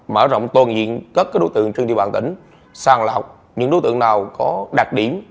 mở rộng toàn diện các đối tượng trên địa bàn tỉnh sàng lọc những đối tượng nào có đặc điểm